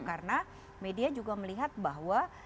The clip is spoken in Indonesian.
karena media juga melihat bahwa